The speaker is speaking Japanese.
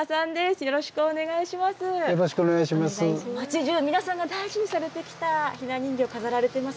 よろしくお願いします。